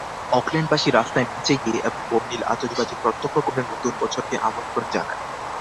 অকল্যান্ডবাসী রাস্তায় নেচে-গেয়ে এবং বর্ণিল আতশবাজি প্রত্যক্ষ করে নতুন বছরকে আমন্ত্রণ জানায়।